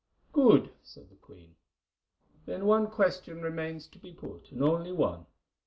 "Good," said the queen. "Then one question remains to be put, and only one.